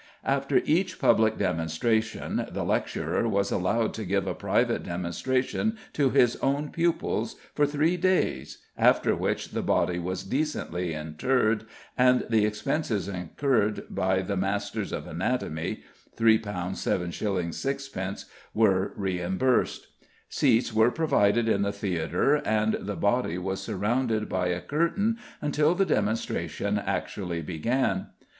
After each public demonstration the lecturer was allowed to give a private demonstration to his own pupils for three days, after which the body was decently interred, and the expenses incurred by the masters of anatomy (£3 7s. 6d.) were reimbursed. Seats were provided in the theatre, and the body was surrounded by a curtain until the demonstration actually began.